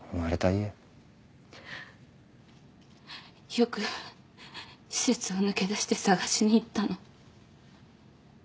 よく施設を抜け出して捜しに行ったの。